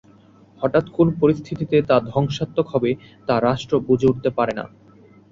হঠাৎ কোন পরিস্থিতিতে তা ধ্বংসাত্মক হবে তা রাষ্ট্র বুঝে উঠতে পারেনা!